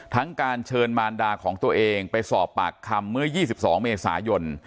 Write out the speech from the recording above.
การเชิญมารดาของตัวเองไปสอบปากคำเมื่อ๒๒เมษายน